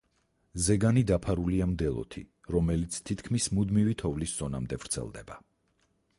ზეგანი დაფარულია მდელოთი, რომელიც თითქმის მუდმივი თოვლის ზონამდე ვრცელდება.